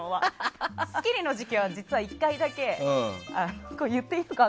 「スッキリ」の時期は１回だけ。